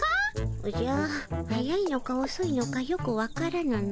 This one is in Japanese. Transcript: おじゃ速いのかおそいのかよくわからぬの。